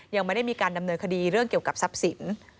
ยังไม่ได้มีการดำเนินคดีเรื่องเกี่ยวกับทรัพย์สิน